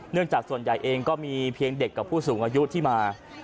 จากส่วนใหญ่เองก็มีเพียงเด็กกับผู้สูงอายุที่มา